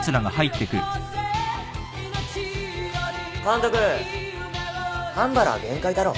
監督半原は限界だろ。